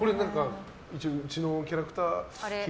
一応、うちのキャラクター昼